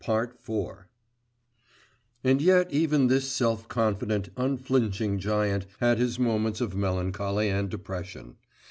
IV And yet even this self confident, unflinching giant had his moments of melancholy and depression.